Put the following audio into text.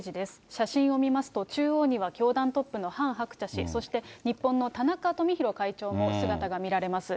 写真を見ますと、中央には教団トップのハン・ハクチャ氏、そして日本の田中富広会長も姿が見られます。